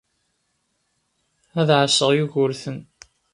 Ad ɛasseɣ Yugurten.